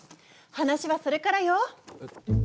話はそれからよ！